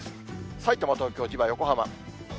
さいたま、東京、千葉、横浜。